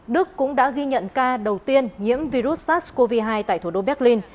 đức cũng đã ghi nhận ca đầu tiên nhiễm virus sars cov hai tại thủ đô berlin